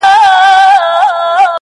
• له کچکول سره فقېر را سره خاندي..